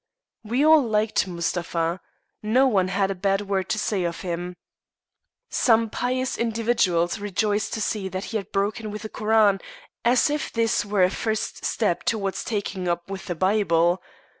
We all liked Mustapha. No one had a bad word to say of him. Some pious individuals rejoiced to see that he had broken with the Koran, as if this were a first step towards taking up with the Bible.